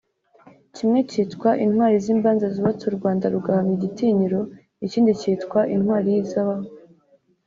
Kimwe cyitwa “Intwari z’Imbanza Zubatse u Rwanda rugahamya igitinyiro’’ ikindi cyitwa “Intwari y’Izahabu”